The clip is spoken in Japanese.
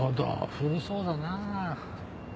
古そうだな。